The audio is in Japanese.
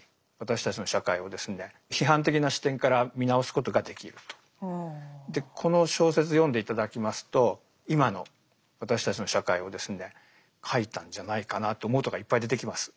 私たちが暮らしているそれの私たちのでこの小説読んで頂きますと今の私たちの社会をですね書いたんじゃないかなと思うことがいっぱい出てきます。